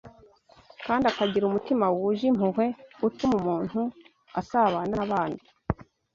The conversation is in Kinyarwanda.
kandi akagira umutima wuje impuhwe utuma umuntu asabana n’abandi